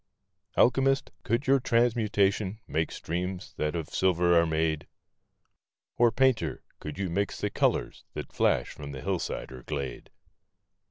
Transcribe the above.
Alchemist, could your transmutation make streams that of silver are made? Or, Painter, could you mix the colors that flash from the hillside or glade?